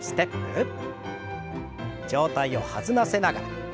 上体を弾ませながら。